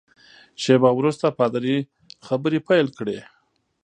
شېبه وروسته پادري خبرې پیل کړې.